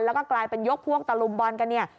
แล้วก็กลายเป็นยกพวกตะลุมบอลกันเนี่ย